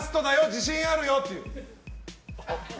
自信あるよっていう。